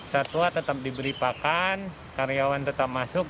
satwa tetap diberi pakan karyawan tetap masuk